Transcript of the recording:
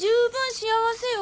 幸せよ？